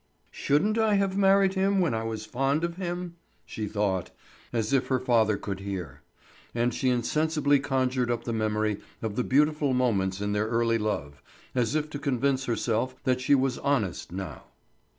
"Shouldn't I have married him when I was fond of him?" she thought, as if her father could hear; and she insensibly conjured up the memory of the beautiful moments in their early love, as if to convince herself that she was honest now.